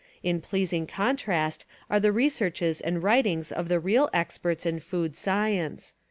In pleasing contrast are the researches and writings of the real experts in food science.